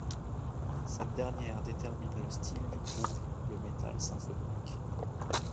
Cette dernière détermine le style du groupe, le metal symphonique.